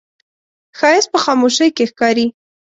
ښایست په خاموشۍ کې ښکاري